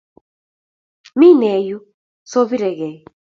Mi me yuu soobiregei